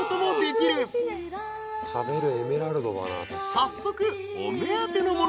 ［早速お目当てのものを］